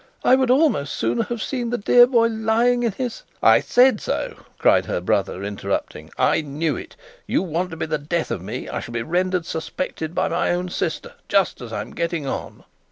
I would almost sooner have seen the dear boy lying in his " "I said so!" cried her brother, interrupting. "I knew it. You want to be the death of me. I shall be rendered Suspected, by my own sister. Just as I am getting on!"